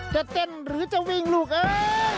จะเต้นหรือจะวิ่งลูกเอ้ย